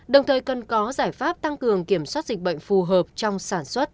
đồng thời cần có giải pháp tăng cường kiểm soát dịch bệnh phù hợp trong sản xuất